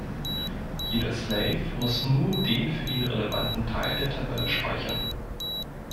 Jeder Slave muss nur den für ihn relevanten Teil der Tabelle speichern.